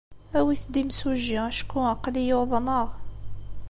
Awit-d imsujji acku aql-iyi uḍneɣ.